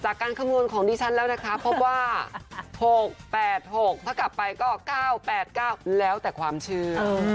จากการข้างบนของดิฉันแล้วนะคะพบว่าหกแปดหกถ้ากลับไปก็เก้าแปดเก้าแล้วแต่ความชื่ออืม